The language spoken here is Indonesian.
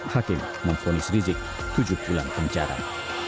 hakim mempunyai rizik tujuh bulan pengejaran